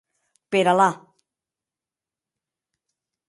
Per Allà!